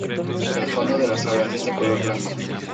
El fondo de las alas es de color blanco.